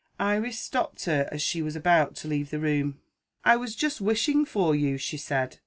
Iris stopped her as she was about to leave the room. "I was just wishing for you," she said.